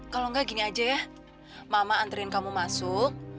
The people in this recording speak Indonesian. kalau enggak gini aja ya mama antrian kamu masuk